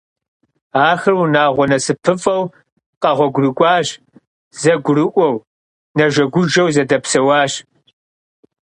Ахэр унагъуэ насыпыфӏэу къэгъуэгурыкӏуащ, зэгурыӏуэу, нэжэгужэу зэдэпсэуащ.